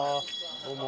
どうも。